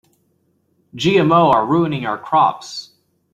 GMO are ruining our crops.